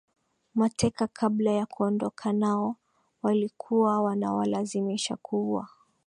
mateka kabla ya kuondoka nao walikuwa wanawalazimisha kuua